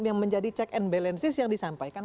yang menjadi check and balances yang disampaikan